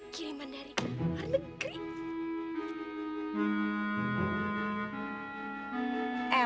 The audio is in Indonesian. kiriman dari luar negeri